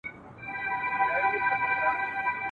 نن سبا به نه یم زمانې راپسی مه ګوره !.